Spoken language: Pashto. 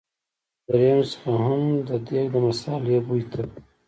له دريم څخه هم د دېګ د مثالې بوی ته.